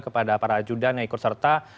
kepada para ajudan yang ikut serta